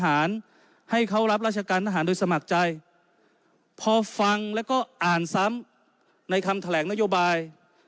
ให้เขารับราชการทหารโดยสมัครใจพอฟังแล้วก็อ่านซ้ำในคำแถลงนโยบาย